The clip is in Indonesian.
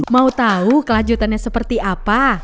mau tahu kelanjutannya seperti apa